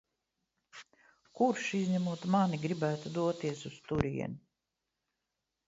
Kurš, izņemot mani, gribētu doties uz turieni?